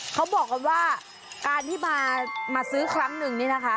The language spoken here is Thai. เขาบอกกันว่าการที่มาซื้อครั้งหนึ่งนี่นะคะ